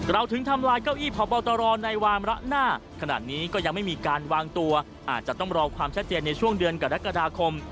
ถึงทำลายเก้าอี้พบตรในวามระหน้าขนาดนี้ก็ยังไม่มีการวางตัวอาจจะต้องรอความชัดเจนในช่วงเดือนกรกฎาคม